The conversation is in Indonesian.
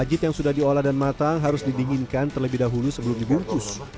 rajit yang sudah diolah dan matang harus didinginkan terlebih dahulu sebelum dibungkus